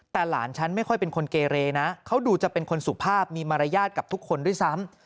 แต่หลานฉันไม่ค่อยเป็นคนเกเรนะเขาดูจะเป็นคนสุภาพมีมารยาทกับทุกคนด้วยซ้ำ